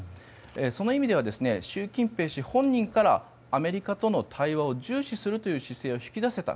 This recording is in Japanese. その意味では、習近平氏本人からアメリカとの対話を重視するという姿勢を引き出せた。